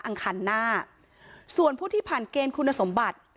อังคารหน้าส่วนผู้ที่ผ่านเกณฑ์คุณสมบัติ